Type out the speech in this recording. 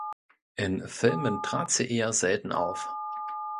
In Filmen trat sie eher selten auf.